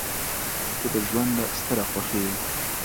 • ته د ژونده ستره خوښي یې.